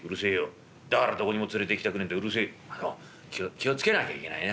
気を付けなきゃいけないね。